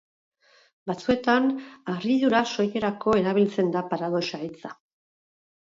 Batzuetan, harridura soilerako erabiltzen da paradoxa hitza.